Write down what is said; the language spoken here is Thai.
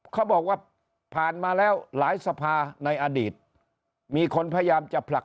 เขาบอกว่าผ่านมาแล้วหลายสภาในอดีตมีคนพยายามจะผลัก